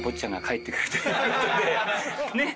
ねっ。